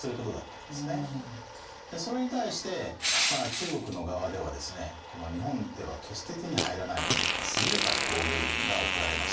それに対して中国の側ではですね日本では決して手に入らないような優れた工芸品が贈られました。